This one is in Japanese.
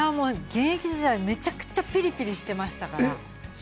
現役時代、めちゃくちゃピリピリしてましたから。